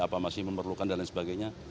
apa masih memerlukan dan lain sebagainya